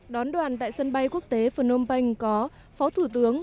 đón đoàn tại sân bay quốc tế phnom penh có phó thủ tướng